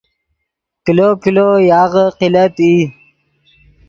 کلو کلو یاغے قلت ای